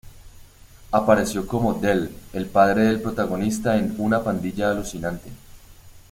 Apareció como Del, el padre del protagonista en "Una pandilla alucinante".